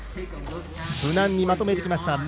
無難にまとめてきました。